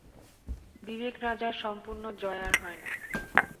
বিবেক-রাজার সম্পূর্ণ জয় আর হয় না।